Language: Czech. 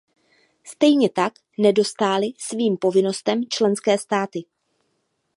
Stejně tak nedostály svým povinnostem členské státy.